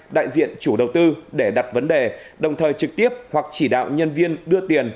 đại diện chủ đầu tư để đặt vấn đề đồng thời trực tiếp hoặc chỉ đạo nhân viên đưa tiền